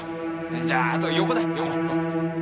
じゃああと横だ横。